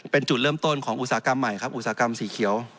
เป็นจุดเริ่มต้นของอุตสาหกรรมใหม่ครับอุตสาหกรรมสีเขียว